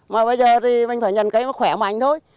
mà bây giờ thì mình phải nhận cây nó khỏe mạnh thôi